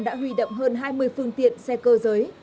đã huy động hơn hai mươi phương tiện xe cơ giới